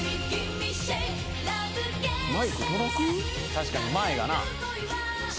確かに前がな。